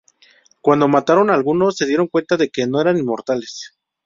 Cuando mataron a alguno se dieron cuenta de que no eran inmortales.